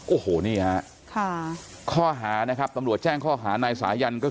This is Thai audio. โอ้โหนี่ฮะค่ะข้อหานะครับตำรวจแจ้งข้อหานายสายันก็คือ